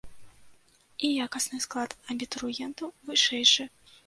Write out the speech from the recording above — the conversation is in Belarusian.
І якасны склад абітурыентаў вышэйшы.